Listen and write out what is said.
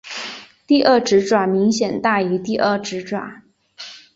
第二指爪明显大于第二指爪。